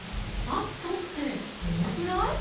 「サッと」ってどのくらい？